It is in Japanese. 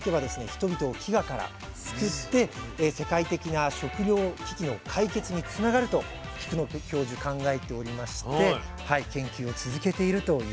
人々を飢餓から救って世界的な食糧危機の解決につながると菊野教授考えておりまして研究を続けているということなんですね。